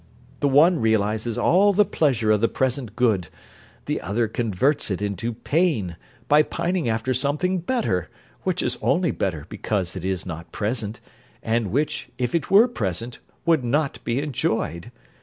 The one realises all the pleasure of the present good; the other converts it into pain, by pining after something better, which is only better because it is not present, and which, if it were present, would not be enjoyed.